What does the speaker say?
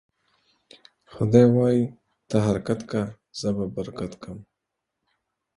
خداى وايي: ته حرکت که ، زه به برکت کم.